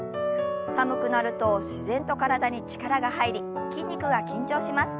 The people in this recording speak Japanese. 寒くなると自然と体に力が入り筋肉が緊張します。